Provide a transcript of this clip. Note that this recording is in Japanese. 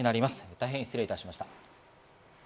大変失礼いたしました。